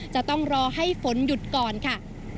จะต้องรอให้ฝนหยุดก่อนค่ะ